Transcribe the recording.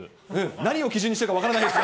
何を基準にしているのか分からないですが。